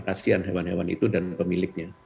kasian hewan hewan itu dan pemiliknya